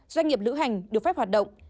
doanh nghiệp lữ hành được phép hoạt động